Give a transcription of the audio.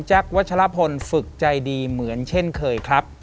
วัชลพลฝึกใจดีเหมือนเช่นเคยครับ